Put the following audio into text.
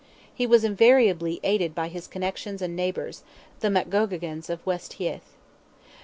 He was invariably aided by his connexions and neighbours, the MacGeoghegans of West Heath.